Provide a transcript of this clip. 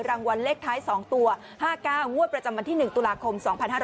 รางวัลเลขท้าย๒ตัว๕๙งวดประจำวันที่๑ตุลาคม๒๕๕๙